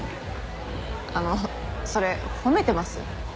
あのそれ褒めてます？